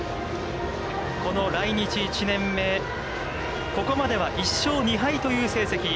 この来日１年目、ここまでは１勝２敗という成績。